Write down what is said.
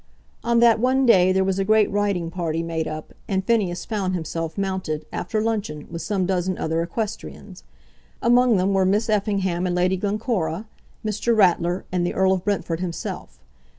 On that one day there was a great riding party made up, and Phineas found himself mounted, after luncheon, with some dozen other equestrians. Among them were Miss Effingham and Lady Glencora, Mr. Ratler and the Earl of Brentford himself.